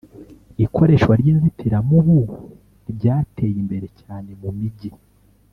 ikoreshwa ry'inzitiramubu ryateye imbere cyane mu mijyi